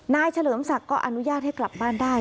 เฉลิมศักดิ์ก็อนุญาตให้กลับบ้านได้